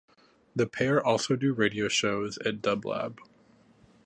The pair also do radio shows at Dublab.